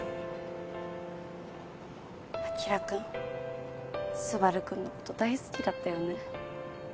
晶くん昴くんの事大好きだったよね。